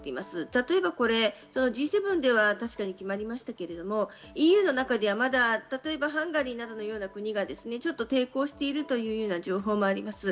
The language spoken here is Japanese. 例えばＧ７では確かに決まりましたけれども、ＥＵの中ではまだ例えばハンガリーなどのような国がちょっと抵抗しているという情報もあります。